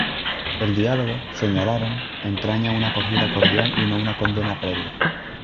El diálogo, señalaron, entraña una acogida cordial y no una condena previa.